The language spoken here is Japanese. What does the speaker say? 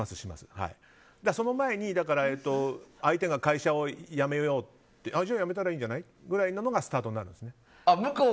その前に相手が会社を辞めようって言って辞めたらいいんじゃないみたいのがスタートなんですよね。